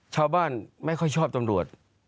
ชาวบ้านไม่ค่อยชอบตำรวจ